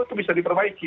itu bisa diperbaiki